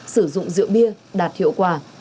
sử dụng rượu bia đạt hiệu quả